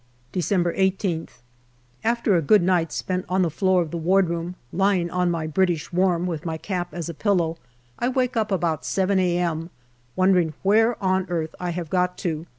December 18th. After a good night spent on the floor of the wardroom, lying on my " British warm " with my cap as a pillow, I wake up about j a.m., wondering where on earth I have got to.